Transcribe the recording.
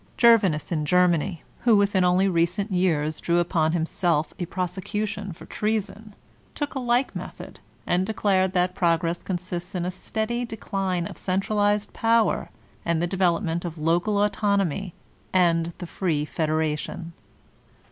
Gervinus in Germany, who. within only recent years, drew upon himself a prosecu tion for treason, took a like method, and declared that prepress consists in a steady decline of centralized power and the development of local autonomy and the free fed eration.